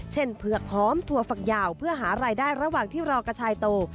เผือกหอมถั่วฝักยาวเพื่อหารายได้ระหว่างที่รอกระชายโต